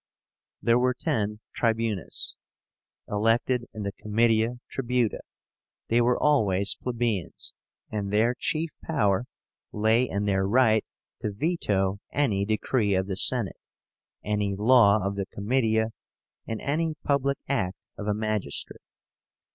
There were ten Tribunes, elected in the Comitia Tribúta. They were always plebeians, and their chief power lay in their right to veto any decree of the Senate, any law of the Comitia, and any public act of a magistrate.